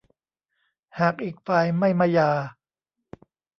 หากอีกฝ่ายไม่มาหย่า